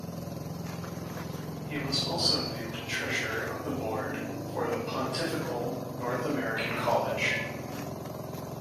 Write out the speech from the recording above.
He was also named Treasurer of the Board for the Pontifical North American College.